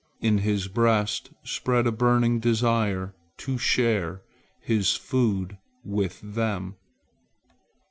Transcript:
In his breast spread a burning desire to share his food with them.